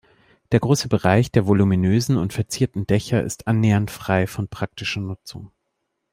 Der große Bereich der voluminösen und verzierten Dächer ist annähernd frei von praktischer Nutzung.